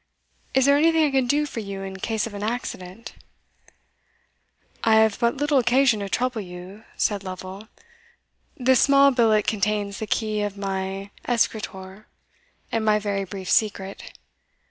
Is there anything I can do for you in case of an accident?" "I have but little occasion to trouble you," said Lovel. "This small billet contains the key of my escritoir, and my very brief secret.